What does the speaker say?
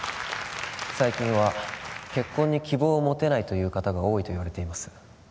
最近は結婚に希望を持てないという方が多いといわれています